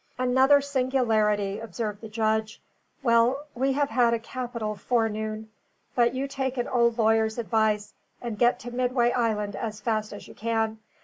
"Another singularity," observed the judge. "Well, we have had a capital forenoon. But you take an old lawyer's advice, and get to Midway Island as fast as you can.